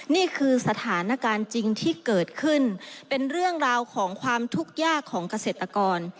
นี่คือสถานการณ์จริงที่เกิดขึ้นเป็นเรื่องราวของความทุกข์ยากของเกษตรกร